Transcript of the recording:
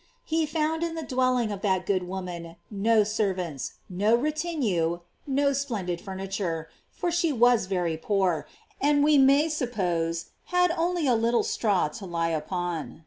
He found in the dwelling of that good woman no servants, no retinue, no splendid furniture, for she was very poor, and we may suppose had only a little straw to lie upon.